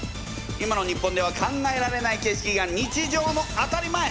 今の日本では考えられない景色が日常の当たり前！